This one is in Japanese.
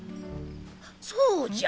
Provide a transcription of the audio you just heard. そうじゃ！